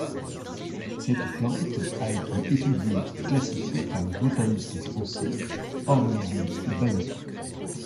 Cette plante a été étudié et classifié par le botaniste français Henri Ernest Baillon.